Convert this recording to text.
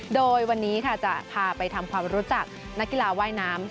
โดยวันนี้ค่ะจะพาไปทำความรู้จักนักกีฬาว่ายน้ำ